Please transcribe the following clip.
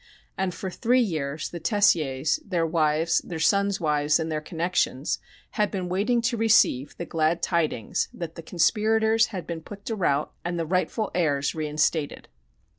And for three years the Tessiers, their wives, their sons' wives, and their connections, had been waiting to receive the glad tidings that the conspirators had been put to rout and the rightful heirs reinstated.